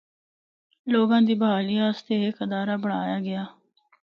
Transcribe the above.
لوگاں دی بحالی اسطے ہک ادارہ بنڑایا گیا۔